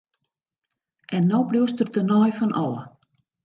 En no bliuwst der tenei fan ôf!